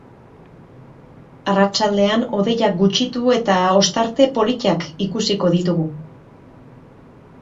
Arratsaldean hodeiak gutxitu eta ostarte politak ikusiko ditugu.